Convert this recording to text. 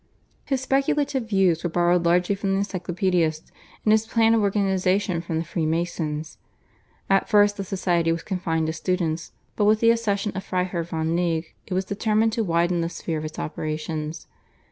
His speculative views were borrowed largely from the Encyclopaedists, and his plan of organisation from the Freemasons. At first the society was confined to students, but with the accession of the Freiherr von Knigge it was determined to widen the sphere of its operations.